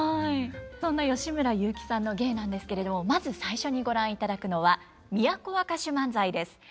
そんな吉村雄輝さんの芸なんですけれどもまず最初にご覧いただくのは「都若衆萬歳」です。